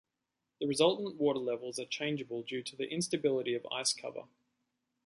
The resultant water levels are changeable due to the instability of ice cover.